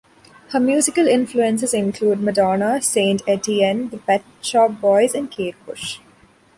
Her musical influences include Madonna, Saint Etienne, the Pet Shop Boys, and Kate Bush.